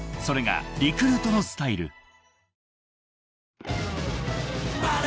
それがリクルートのスタイル］